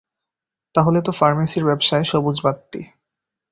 তাহলে তো ফার্মেসীর ব্যাবসায় সবুজ বাত্তি।